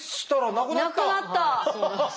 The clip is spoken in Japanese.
なくなった！